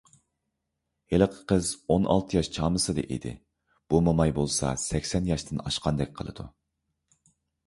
ھېلىقى قىز ئون ئالتە ياش چامىسىدا ئىدى، بۇ موماي بولسا سەكسەن ياشتىن ئاشقاندەك قىلىدۇ.